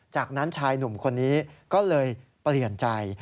จากนั้นชายหนุ่มคนนี้ก็เลยเปลี่ยนใจ